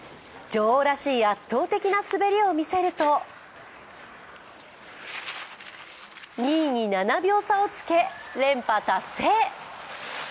女王らしい圧倒的な滑りを見せると２位に７秒差をつけ、連覇達成。